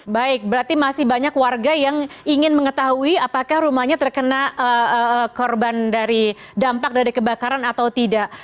baik berarti masih banyak warga yang ingin mengetahui apakah rumahnya terkena korban dari dampak dari kebakaran atau tidak